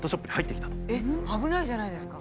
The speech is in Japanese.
えっ危ないじゃないですか。